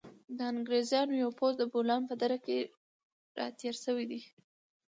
د انګریزانو یو پوځ د بولان په دره کې را تېر شوی دی.